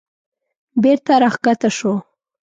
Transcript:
بېرته راکښته شوه.